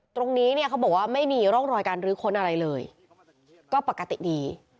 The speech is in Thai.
ตรงนี้เนี่ยเขาบอกว่าไม่มีร่องรอยการรื้อค้นอะไรเลยก็ปกติดี